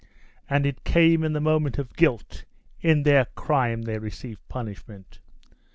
And it came in the moment of guilt! in their crime they receive punishment.